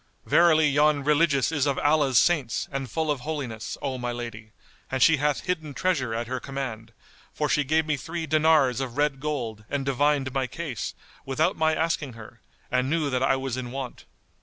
Verily yon Religious is of Allah's saints and full of holiness, O my lady, and she hath hidden treasure at her command, for she gave me three dinars of red gold and divined my case, without my asking her, and knew that I was in want."